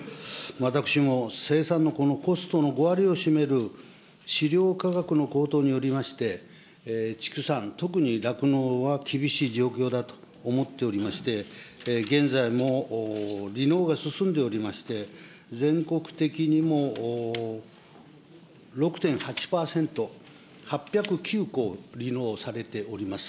私も生産の、このコストの５割を占める飼料価格の高騰によりまして、畜産、特に酪農は厳しい状況だと思っておりまして、現在も離農が進んでおりまして、全国的にも、６．８％、８０９戸、離農されております。